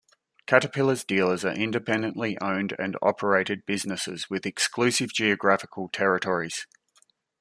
Caterpillar's dealers are independently owned and operated businesses with exclusive geographical territories.